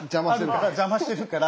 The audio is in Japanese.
邪魔してるから。